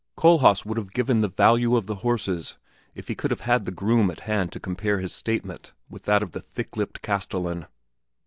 Kohlhaas would have given the value of the horses if he could have had the groom at hand to compare his statement with that of this thick lipped castellan.